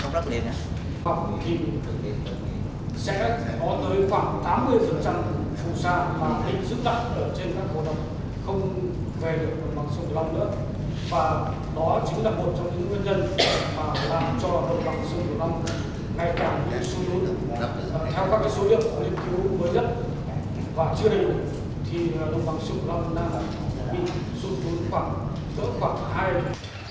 theo các số liệu của nghiên cứu mới nhất và chưa đầy đủ thì đồng bằng sông lâm đang bị xu hướng khoảng hai